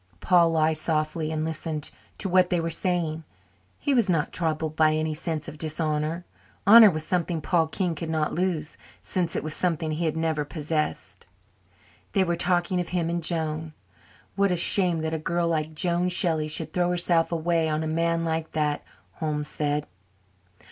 Paul lay softly and listened to what they were saying. He was not troubled by any sense of dishonour. Honour was something Paul King could not lose since it was something he had never possessed. They were talking of him and Joan. "What a shame that a girl like Joan Shelley should throw herself away on a man like that," Holmes said.